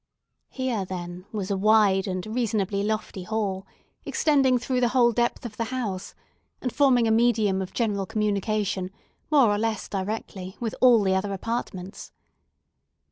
Here, then, was a wide and reasonably lofty hall, extending through the whole depth of the house, and forming a medium of general communication, more or less directly, with all the other apartments.